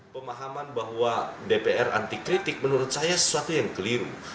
pemahaman bahwa dpr anti kritik menurut saya sesuatu yang keliru